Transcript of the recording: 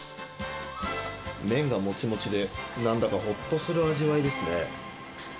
麺がもちもちで、なんだかほっとする味わいですね。